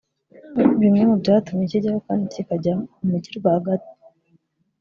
Bimwe mu byatumye kijyaho kandi kikajya mu mujyi rwagati